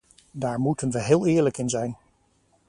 Daar moeten we heel eerlijk in zijn.